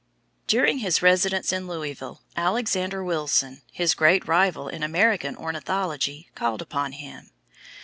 During his residence in Louisville, Alexander Wilson, his great rival in American ornithology, called upon him.